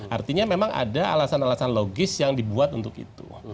artinya memang ada alasan alasan logis yang dibuat untuk itu